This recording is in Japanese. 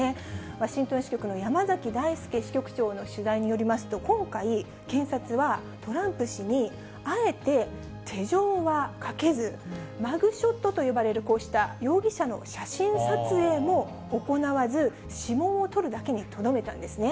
ワシントン支局の山崎大輔支局長によりますと、取材によりますと、今回、検察はトランプ氏にあえて手錠はかけず、マグショットと呼ばれる、こうした容疑者の写真撮影も行わず、指紋を取るだけにとどめたんですね。